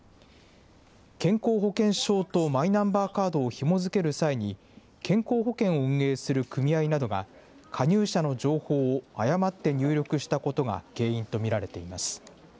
健康保険証とマイナンバーカードをひも付ける際に、健康保険を運営する組合などが加入者の情報を誤って入力したことが原因と見られています。